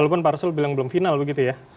walaupun pak arsul bilang belum final begitu ya